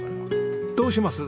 どうします？